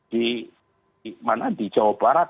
di mana di jawa barat